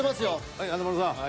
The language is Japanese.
はい華丸さん。